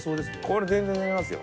これ全然寝られますよ。